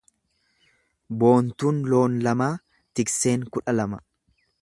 Boontuu loon lamaa tikseen kudha lama.